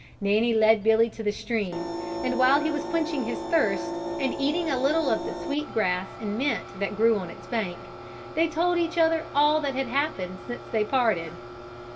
Nanny led Billy to the stream and while he was quenching his thirst and eating a little of the sweet grass and mint that grew on its bank, they told each other all that had happened since they parted.